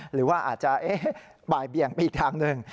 หรือว่าอาจจะบ่ายเบี่ยงไปอีกทางหนึ่ง